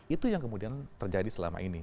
itu yang kemudian terjadi selama ini